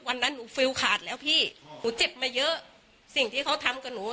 วันนั้นหนูฟิลขาดแล้วพี่หนูเจ็บมาเยอะสิ่งที่เขาทำกับหนู